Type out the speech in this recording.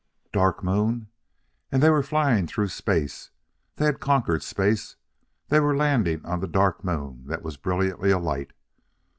Dark Moon! and they were flying through space.... They had conquered space; they were landing on the Dark Moon that was brilliantly alight.